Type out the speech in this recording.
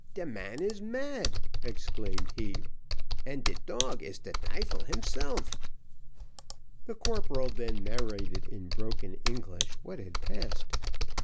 de man is mad," exclaimed he, "and de tog is de tyfel himself." The corporal then narrated in broken English what had passed.